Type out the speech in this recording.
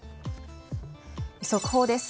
速報です。